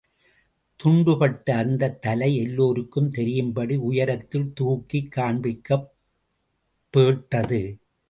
துண்டுபட்ட அந்தத் தலை எல்லோருக்கும் தெரியும்படி உயரத்தில் தூக்கிக் காண்பிக்கப்பேட்டது.